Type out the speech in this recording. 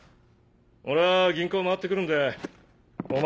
俺は銀行回って来るんでお前